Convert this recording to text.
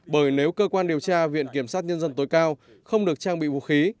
bởi nếu cơ quan điều tra viện kiểm sát nhân dân tối cao không được trang bị vũ khí